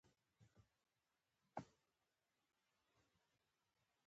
پښتانه دې د خپلې ژبې د ژغورلو مبارزه پیل کړي.